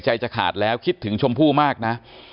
จะขาดแล้วคิดถึงชมพู่มากนะ